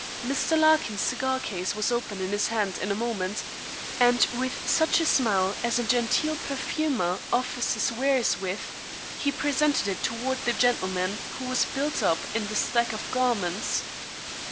Mr. Larkin's cigar case was open in his hand in a moment, and with such a smile as a genteel perfumer offers his wares with, he presented it toward the gentleman who was built up in the stack of garments.